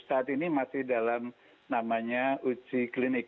saat ini masih dalam namanya uji klinik